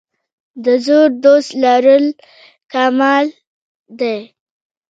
د زوړ دوست لرل کمال دی.